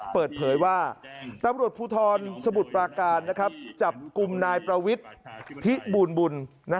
เปิดเผยว่าตำรวจภูทรสมุทรปราการจับกลุ่มนายประวิทธิบูลบุญ